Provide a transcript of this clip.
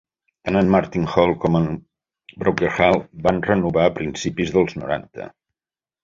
Tant en Martin Hall com en Bowker Hall van renovar a principis dels noranta.